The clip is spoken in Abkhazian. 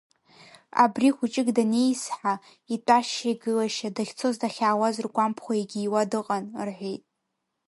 Абри хәыҷык данеизҳа, итәашьа-игылашьа, дахьцоз-дахьаауаз ргәамԥхо-егьиуа дыҟан, — рҳәеит.